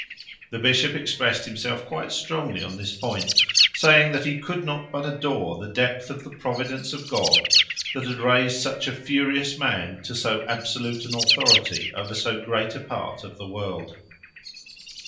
The bishop expressed himself quite strongly on this point, saying that he could not but adore the depth of the providence of God that had raised such a furious man to so absolute an authority over so great a part of the world.